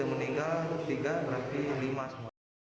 kita sudah meninggal tiga berarti lima semua